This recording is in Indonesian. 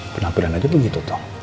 penampilan aja tuh gitu toh